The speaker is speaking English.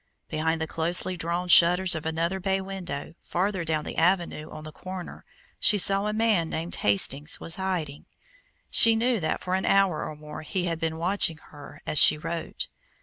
Behind the closely drawn shutters of another bay window, farther down the avenue, on the corner, she knew a man named Hastings was hiding; she knew that for an hour or more he had been watching her as she wrote.